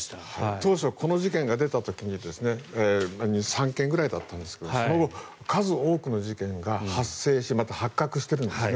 当初はこの事件が出た時に２３件ぐらいだったんですけどその後、数多くの事件が発生してまた発覚しているんですね。